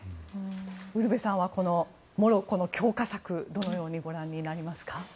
ウルヴェさんはこのモロッコの強化策をどのようにご覧になりますか。